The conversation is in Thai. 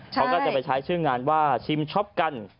เขาก็จะไปใช้ชื่องานว่าชิมช็อปกัน